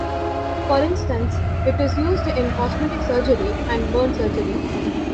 For instance, it is used in cosmetic surgery and burn surgery.